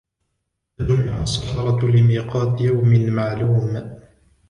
فجمع السحرة لميقات يوم معلوم